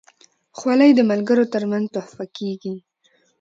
خولۍ د ملګرو ترمنځ تحفه کېږي.